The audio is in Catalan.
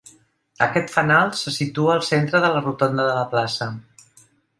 Aquest fanal se situa al centre de la rotonda de la plaça.